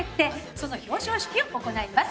その表彰式を行います。